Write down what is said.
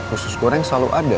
usus koreng selalu ada